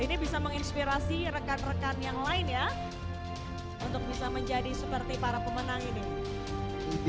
ini bisa menginspirasi rekan rekan yang lain ya untuk bisa menjadi seperti para pemenang ini